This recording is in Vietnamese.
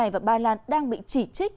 và bài làn đang bị chỉ trích